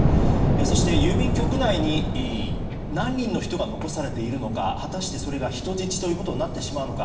そして、郵便局内に何人の人が残されているのか果たして、それが人質ということになってしまうのか。